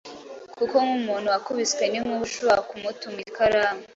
kuko nk’umuntu wakubiswe n’inkuba ushobora kumutuma ikaramu